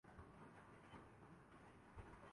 دنیائے اسلام کے ساتھ کیا مسئلہ ہے؟